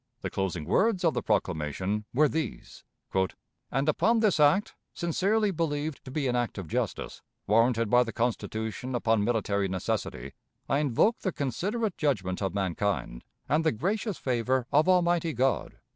The closing words of the proclamation were these: "And upon this act, sincerely believed to be an act of justice, warranted by the Constitution upon military necessity, I invoke the considerate judgment of mankind and the gracious favor of Almighty God."